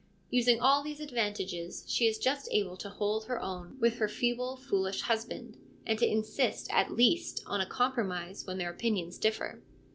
Using all these advantages, she is just able to hold her own with her feeble, foolish husband, and to insist at least on a compromise when their opinions differ.